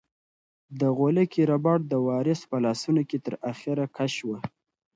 د غولکې ربړ د وارث په لاسونو کې تر اخره کش شو.